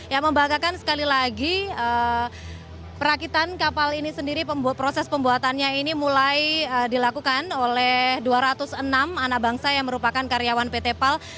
yang membanggakan sekali lagi perakitan kapal ini sendiri proses pembuatannya ini mulai dilakukan oleh dua ratus enam anak bangsa yang merupakan karyawan pt pal